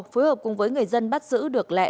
phối hợp cùng với người dân bắt giữ được lẹ